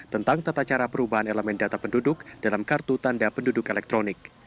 tentang tata cara perubahan elemen data penduduk dalam kartu tanda penduduk elektronik